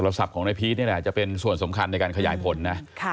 ศัพท์ของนายพีชนี่แหละจะเป็นส่วนสำคัญในการขยายผลนะ